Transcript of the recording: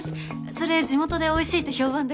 それ地元でおいしいって評判で。